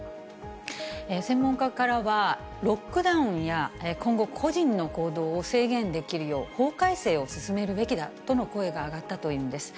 専門家からは、ロックダウンや、今後、個人の行動を制限できるよう法改正を進めるべきだとの声が上がったというんです。